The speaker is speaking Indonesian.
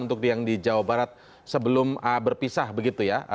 untuk yang di jawa barat sebelum berpisah begitu ya